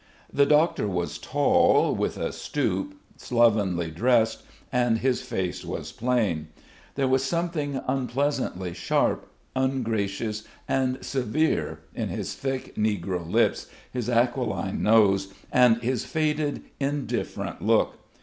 The doctor was tall, with a stoop, slovenly dressed, and his face was plain. There was something unpleasantly sharp, ungracious, and severe in his thick negro lips, his aquiline nose and his faded, indifferent look.